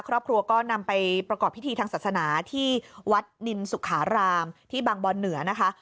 ครอบครัวก็นำไปประกอบพิธีทางศาสนาที่วัดนินสุขารามที่บางบอนเหนือนะคะ